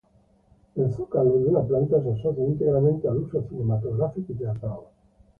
El zócalo, de una planta, se asocia íntegramente al uso cinematográfico y teatral.